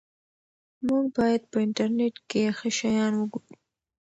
موږ باید په انټرنیټ کې ښه شیان وګورو.